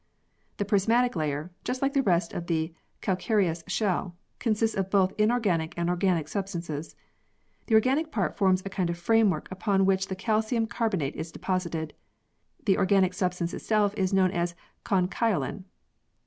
The prismatic layer, just like the rest of the calcareous shell, consists of both inorganic and organic substances. The organic part forms a kind of framework upon which the calcium carbonate is deposited ; the organic substance itself is known as conchyolin.